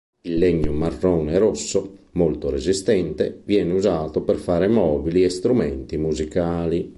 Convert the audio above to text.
Il legno marrone-rosso, molto resistente, viene usato per fare mobili e strumenti musicali.